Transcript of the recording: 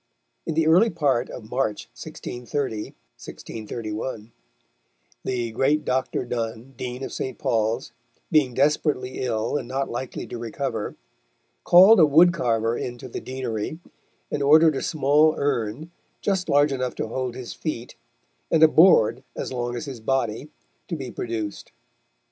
In the early part of March 1630 (1631), the great Dr. Donne, Dean of St. Paul's, being desperately ill, and not likely to recover, called a wood carver in to the Deanery, and ordered a small urn, just large enough to hold his feet, and a board as long as his body, to be produced.